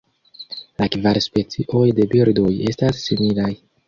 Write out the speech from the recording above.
La kvar specioj de birdoj estas similaj.